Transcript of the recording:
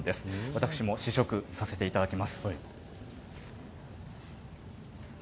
私も試食させていただきます。